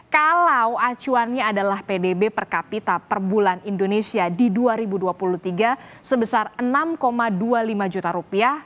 kalau acuannya adalah pdb per kapita per bulan indonesia di dua ribu dua puluh tiga sebesar enam dua puluh lima juta rupiah